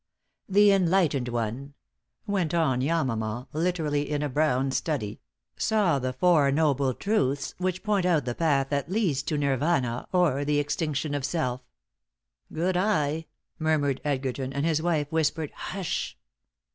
"The Enlightened One," went on Yamama, literally in a brown study, "saw the four noble truths which point out the path that leads to Nirvana or the extinction of self." "Good eye!" murmured Edgerton, and his wife whispered "Hush!"